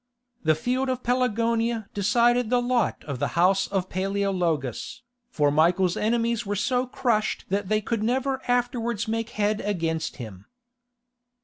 The field of Pelagonia decided the lot of the house of Paleologus, for Michael's enemies were so crushed that they could never afterwards make head against him.